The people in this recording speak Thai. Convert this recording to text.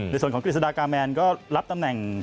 ในส่วนของกฤษฎากาแมนก็รับตำแหน่ง